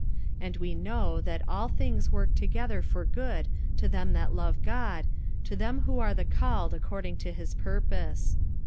45:008:028 And we know that all things work together for good to them that love God, to them who are the called according to his purpose.